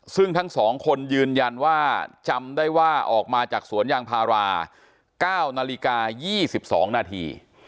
ซึ่งทั้ง๒คนยืนยันว่าจำได้ว่าออกมาจากสวนยางพารา๙นาฬิกา๒๒นาที